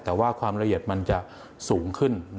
แต่ว่าความละเอียดมันจะสูงขึ้น